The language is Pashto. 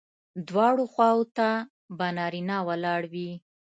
دواړو خواوو ته به نارینه ولاړ وي.